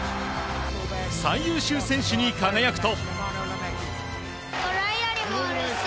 最優秀選手に輝くと。